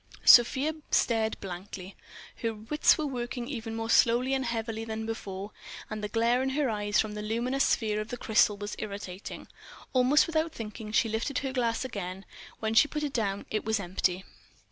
Sofia stared blankly. Her wits were working even more slowly and heavily than before. And the glare in her eyes from the luminous sphere of crystal was irritating. Almost without thinking, she lifted her glass again; when she put it down it was empty.